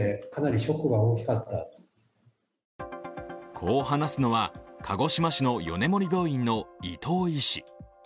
こう話すのは、鹿児島市の米盛病院の伊藤医師。